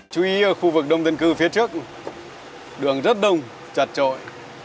chú ý khu vực đông dân cư phía trước đường rất đông chặt trội